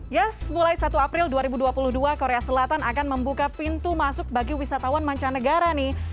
yes mulai satu april dua ribu dua puluh dua korea selatan akan membuka pintu masuk bagi wisatawan mancanegara nih